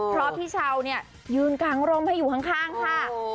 เพราะพี่เช้าเนี่ยยืนกางร่มให้อยู่ข้างค่ะ